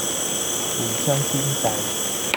互相牽掣，